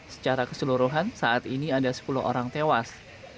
secara keseluruhan saat ini ada sepuluh orang tewas